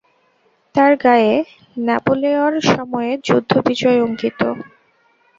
তার গায়ে ন্যাপোলেঅঁর সময়ের যুদ্ধ-বিজয় অঙ্কিত।